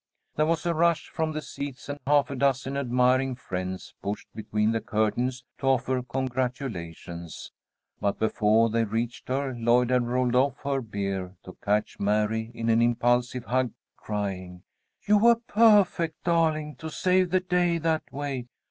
There was a rush from the seats, and half a dozen admiring friends pushed between the curtains to offer congratulations. But before they reached her, Lloyd had rolled off her bier to catch Mary in an impulsive hug, crying, "You were a perfect darling to save the day that way!